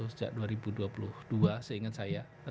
sejak dua ribu dua puluh dua seingat saya